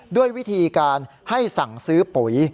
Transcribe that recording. ด้วยวิธีการให้สั่งซื้อปุ๋ย